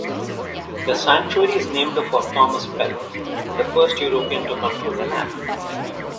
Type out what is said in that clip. The Sanctuary is named for Thomas Pell, the first European to control the land.